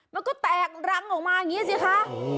มันก็แตกรังออกมาอย่างนี้สิคะ